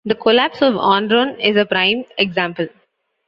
The collapse of Enron is a prime example.